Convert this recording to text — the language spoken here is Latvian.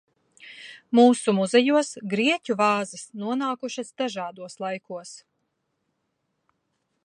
Mūsu muzejos grieķu vāzes nonākušas dažādos laikos.